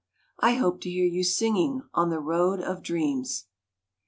I hope to hear you singing on the Road of Dreams!